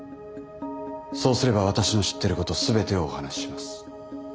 そうすれば私の知ってること全てお話しします。